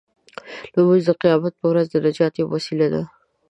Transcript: لمونځ د قیامت په ورځ د نجات یوه وسیله ده.